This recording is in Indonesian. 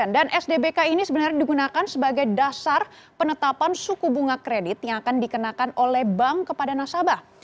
dan sdbk ini sebenarnya digunakan sebagai dasar penetapan suku bunga kredit yang akan dikenakan oleh bank kepada nasabah